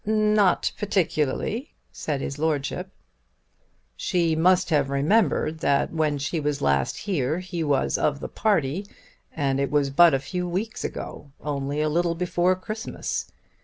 "Not particularly," said his lordship. "She must have remembered that when she was last here he was of the party, and it was but a few weeks ago, only a little before Christmas.